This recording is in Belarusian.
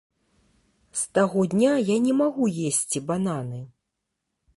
З таго дня я не магу есці бананы.